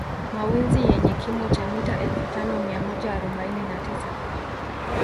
Mawenzi yenye kimo cha mita elfu tano mia moja arobaini na tisa